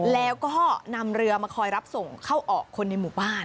แล้วก็นำเรือมาคอยรับส่งเข้าออกคนในหมู่บ้าน